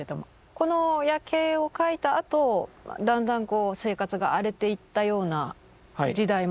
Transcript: この「夜警」を描いたあとだんだんこう生活が荒れていったような時代もありますよね。